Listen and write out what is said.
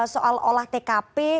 soal olah tkp